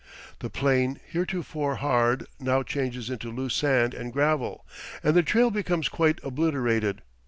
The plain, heretofore hard, now changes into loose sand and gravel, and the trail becomes quite obliterated.